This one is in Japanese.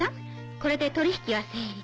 これで取引は成立。